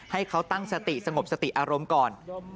ให้เขาตั้งสติสงบสติอารมณ์ก่อน